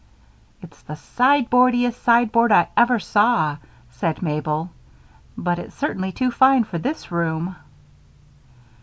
"It's the sideboardiest sideboard I ever saw," said Mabel, "but it's certainly too fine for this room."